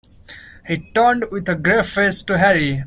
He turned with a grave face to Harry.